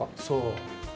そう。